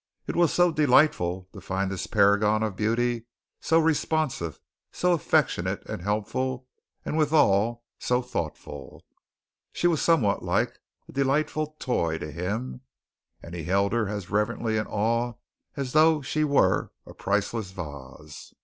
It was so delightful to find this paragon of beauty so responsive, so affectionate and helpful and withal so thoughtful. She was somewhat like a delightful toy to him, and he held her as reverently in awe as though she were a priceless vase.